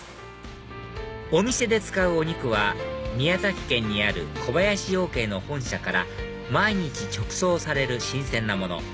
お店で使うお肉は宮崎県にある小林養鶏の本社から毎日直送される新鮮なもの